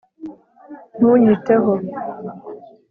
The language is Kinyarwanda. ntunyiteho